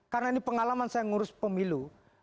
karena ini pengalaman saya mengurus pemilu